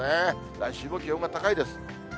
来週も気温が高いです。